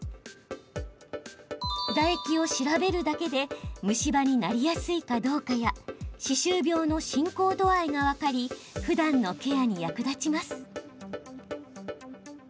唾液を調べるだけで虫歯になりやすいかどうかや歯周病の進行度合いが分かりふだんのケアに役立ちます。